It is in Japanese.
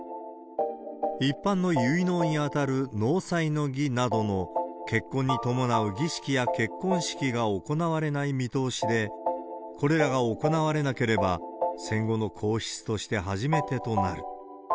一般の結納に当たる納采の儀などの結婚に伴う儀式や結婚式が行われない見通しで、これらが行われなければ戦後の皇室として初めてとなる。